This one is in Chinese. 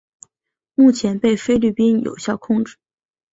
目前被菲律宾有效控制。